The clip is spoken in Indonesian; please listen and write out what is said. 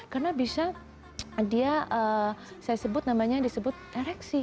karena bisa dia saya sebut namanya yang disebut ereksi